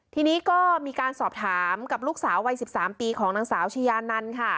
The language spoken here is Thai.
ทีนี้ก็มีการสอบถามกับลูกสาววัย๑๓ปีของนางสาวชายานันค่ะ